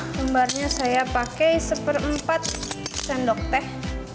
lembarnya saya pakai satu per empat sendok teh